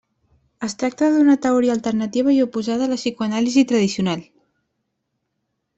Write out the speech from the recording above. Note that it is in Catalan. Es tracta d'una teoria alternativa i oposada a la psicoanàlisi tradicional.